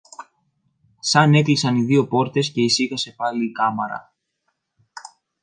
Σαν έκλεισαν οι δυο πόρτες και ησύχασε πάλι η κάμαρα